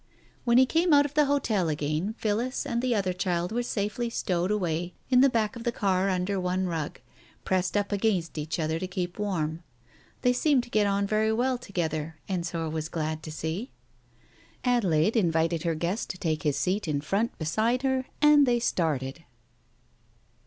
When he came out of the hotel again Phillis and the other child were safely stowed away in the back of the car under one rug, pressed up against each other to keep warm. They seemed to get on very well together, Ensor was glad to see. Adelaide invited her guest to take his seat in front beside her, and they started.